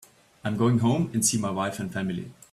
I'm going home and see my wife and family.